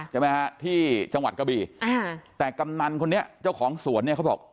ใช่ไหมฮะที่จังหวัดกะบีแต่กำนันคนนี้เจ้าของสวนเนี่ยเขาบอก